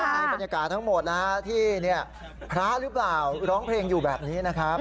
มีบรรยากาศทั้งหมดนะฮะที่พระหรือเปล่าร้องเพลงอยู่แบบนี้นะครับ